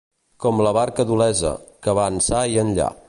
Com la barca d'Olesa, que va ençà i enllà.